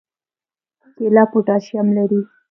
کیله پوټاشیم لري